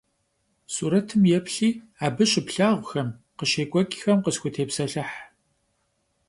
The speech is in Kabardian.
Сурэтым еплъи абы щыплъагъухэм, къыщекӏуэкӏхэм къытхутепсэлъыхь.